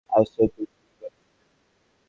Anson, তুমি ঠিক বলেছিলে।